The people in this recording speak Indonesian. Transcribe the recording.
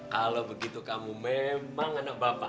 kalau begitu kamu memang anak bapak